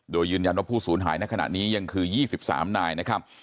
โดยยืนยันว่าผู้สูญหายในขณะนี้ยังคือ๒๓นายนะครับ